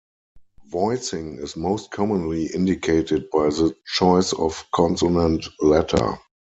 Voicing is most commonly indicated by the choice of consonant letter.